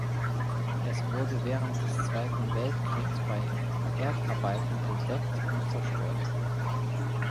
Es wurde während des Zweiten Weltkriegs bei Erdarbeiten entdeckt und zerstört.